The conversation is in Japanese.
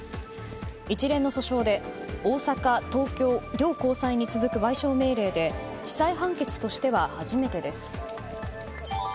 一連の訴訟で大阪・東京両高裁に続く賠償命令で地裁判決としては初めてです。